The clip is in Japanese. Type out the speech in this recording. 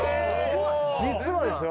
実はですよ